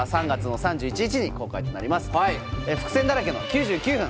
伏線だらけの９９分。